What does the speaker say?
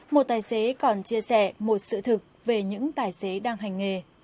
một tài xế còn chia sẻ một sự thực về những tài xế đang hành nghề